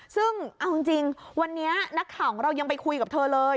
ซึ่งเอาจริงวันนี้นักข่าวของเรายังไปคุยกับเธอเลย